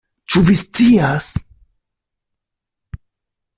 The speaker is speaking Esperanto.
Ĉu vi scias?